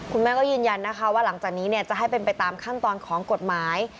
คุณแม่ก็ยืนยันนะคะว่าหลังจากนี้จะให้เป็นไปตามขั้นตอนของกฎหมาย